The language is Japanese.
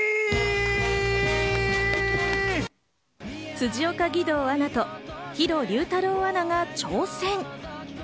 辻岡義堂アナと弘竜太郎アナが挑戦。